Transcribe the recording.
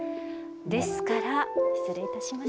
ですから失礼いたします。